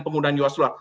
penggunaan us dollar